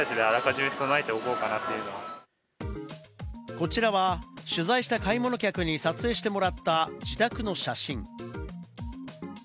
こちらは取材した買い物客に撮影してもらった自宅の写真。